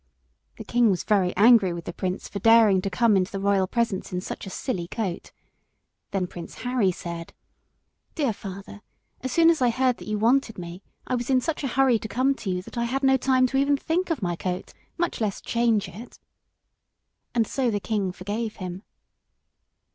The king was very angry with the prince for daring to come into the royal presence in such a silly coat. Then Prince Harry said "Dear father, as soon as I heard that you wanted me, I was in such a hurry to come to you that I had no time to even think of my coat, much less change it." And so the king forgave him.